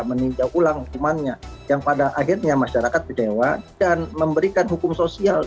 meninjau ulang hukumannya yang pada akhirnya masyarakat kecewa dan memberikan hukum sosial